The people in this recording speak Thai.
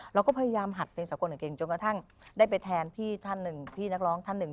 เราก็พยายามหัดเพลงสาวคนเก่งจนกระทั่งได้ไปแทนพี่นักร้องท่านหนึ่ง